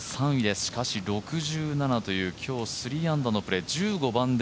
しかし６７という今日３アンダーのプレー、１５番で